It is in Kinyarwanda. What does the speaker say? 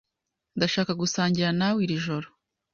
Ndashaka gusangira nawe iri joro.